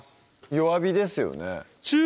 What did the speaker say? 弱火ですよね